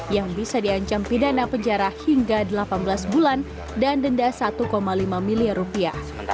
yang bisa diancam pidana penjara hingga delapan belas bulan dan denda satu lima miliar rupiah